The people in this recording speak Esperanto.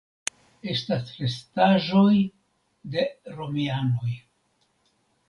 Estas restaĵoj de romianoj.